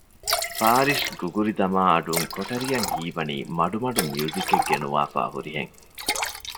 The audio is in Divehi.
ފާރިޝް ގުގުރިދަމާއަޑުން ކޮޓަރިއަށް ހީވަނީ މަޑުމަޑު މިއުޒިކެއް ގެނުވާފައި ހުރިހެން